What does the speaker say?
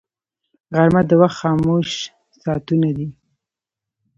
غرمه د وخت خاموش ساعتونه دي